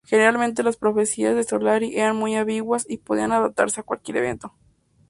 Generalmente las profecías de Solari eran muy ambiguas, y podían adaptarse a cualquier evento.